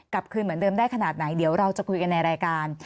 กลับคืนเหมือนเดิมได้ขนาดไหนเดี๋ยวเราจะคุยกันในรายการ